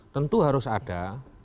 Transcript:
tentu harus ada